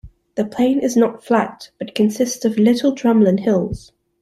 The plain is not flat but consists of little drumlin hills.